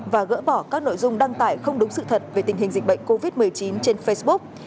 và gỡ bỏ các nội dung đăng tải không đúng sự thật về tình hình dịch bệnh covid một mươi chín trên facebook